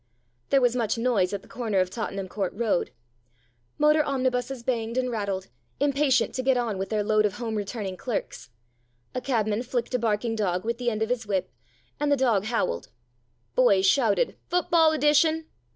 There was much noise at the corner of Totten ham Court Road. Motor omnibuses banged and rattled, impatient to get on with their load of home returning clerks. A cabman flicked a bark ing dog with the end of his whip, and the dog howled. Boys shouted " Football edition."